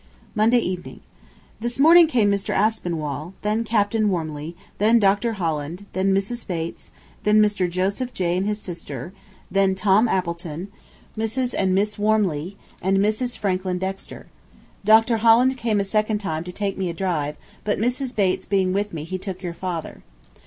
Monday Evening. This morning came Mr. Aspinwall, then Captain Wormeley, then Dr. Holland, then Mrs. Bates, then Mr. Joseph Jay and his sister, then Tom Appleton, Mrs. and Miss Wormeley, and Mrs. Franklin Dexter. Dr. Holland came a second time to take me a drive, but Mrs. Bates being with me he took your father.